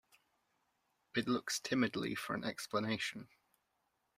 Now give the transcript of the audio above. It looks timidly for an explanation.